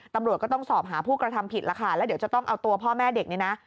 ตำรวจก็ต้องสอบหาผู้กระทำผิดแล้วค่ะแล้วเดี๋ยวจะต้องเอาตัวพ่อแม่เด็กเนี่ยนะ